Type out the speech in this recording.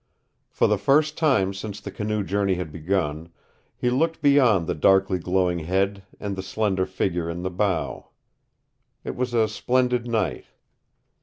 For the first time since the canoe journey had begun, he looked beyond the darkly glowing head and the slender figure in the bow. It was a splendid night.